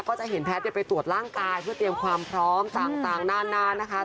ก็จะเห็นแพทย์ไปตรวจร่างกายเพื่อเตรียมความพร้อมต่างนานนะคะ